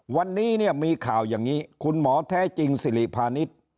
วันนี้เนี่ยมีข่าวอย่างนี้คุณหมอแท้จริงสิริพาณิชย์